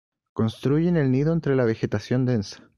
Construyen el nido entre la vegetación densa.